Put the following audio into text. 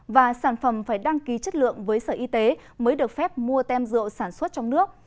và sản phẩm phải đăng ký chất lượng với sở y tế mới được phép mua tem rượu sản xuất trong nước